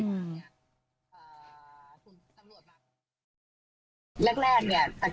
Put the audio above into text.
แรกแรกเนี่ย